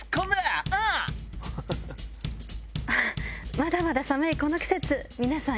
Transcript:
まだまだ寒いこの季節皆さん